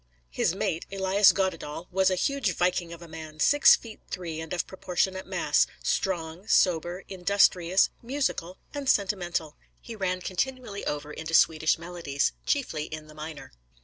His mate, Elias Goddedaal, was a huge viking of a man, six feet three and of proportionate mass, strong, sober, industrious, musical, and sentimental. He ran continually over into Swedish melodies, chiefly in the minor.